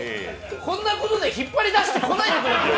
こんなことで引っ張り出してこないでくれる？